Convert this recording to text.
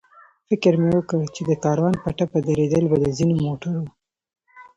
فکر مې وکړ چې د کاروان په ټپه درېدل به د ځینو موټرو.